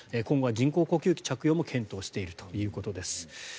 今後は人工呼吸器着用も検討しているということです。